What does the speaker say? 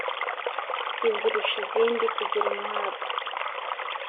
Izirusha izindi kugira umwaga